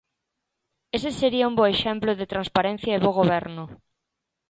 Ese sería un bo exemplo de transparencia e bo goberno.